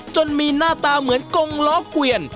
จนมีหน้าตาเหมือนกงล้อเกวียน